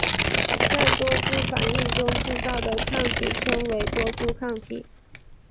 在多株反应中制造的抗体称为多株抗体。